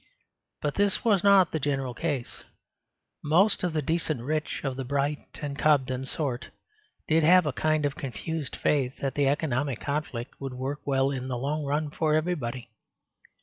But this was not the general case; most of the decent rich of the Bright and Cobden sort did have a kind of confused faith that the economic conflict would work well in the long run for everybody.